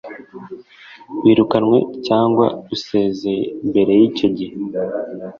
wirukanwe cyangwa usezeye mbere y icyo gihe